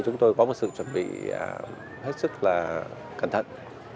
chúng tôi có một sự chuẩn bị hết sức là cẩn thận